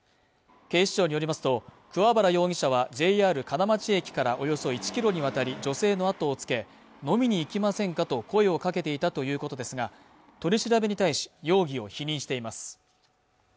警視庁によりますと桑原容疑者はＪＲ金町駅からおよそ１キロにわたり女性のあとをつけ飲みに行きませんかと声をかけていたということですが取り調べに対し容疑を否認しています